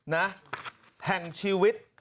นะแห่งชีวิต